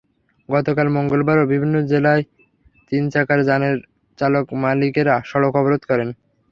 গতকাল মঙ্গলবারও বিভিন্ন জেলায় তিন চাকার যানের চালক-মালিকেরা সড়ক অবরোধ করেন।